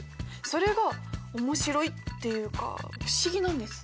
それが面白いっていうか不思議なんです。